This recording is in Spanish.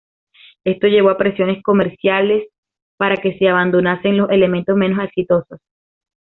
Esto llevó a presiones comerciales para que se abandonasen los elementos menos exitosos.